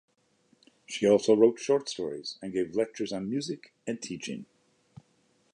She also wrote short stories and gave lectures on music and teaching.